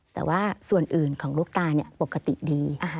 แต่ว่าส่วนอื่นของลูกตาปกติดี